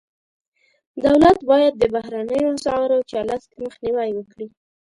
دولت باید د بهرنیو اسعارو چلښت مخنیوی وکړي.